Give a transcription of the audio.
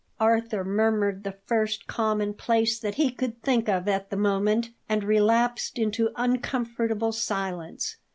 Arthur murmured the first commonplace that he could think of at the moment, and relapsed into uncomfortable silence.